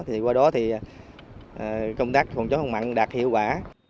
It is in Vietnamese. thì qua đó thì công tác phòng chống không mặn đạt hiệu quả